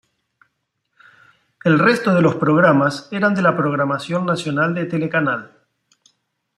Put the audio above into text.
El resto de los programas eran de la programación nacional de Telecanal.